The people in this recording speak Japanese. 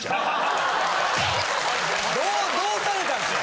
どうどうされたんですか？